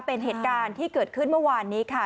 เป็นเหตุการณ์ที่เกิดขึ้นเมื่อวานนี้ค่ะ